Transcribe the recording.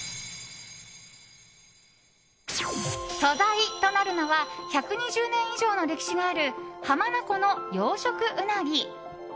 素材となるのは１２０年以上の歴史がある浜名湖の養殖うなぎ。